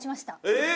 えっ！